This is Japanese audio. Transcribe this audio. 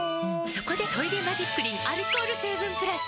そこで「トイレマジックリン」アルコール成分プラス！